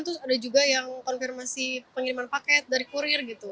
terus ada juga yang konfirmasi pengiriman paket dari kurir gitu